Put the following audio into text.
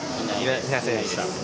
いませんでした。